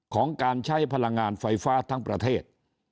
ของการใช้พลังงานไฟฟ้าทั้งประเทศ